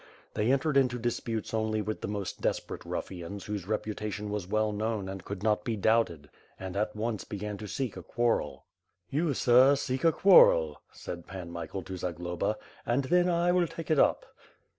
They entered into disputes only with the most desperate ruffians whose reputation was well known and could not be doubted, and at once began to seek a quarrel. "You, sir, seek a quarrel," said Pan Michael to Zagloba, "and then I will take it up."